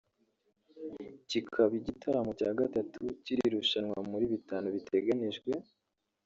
kikaba igitaramo cya gatatu cy’iri rushanwa muri bitanu biteganyijwe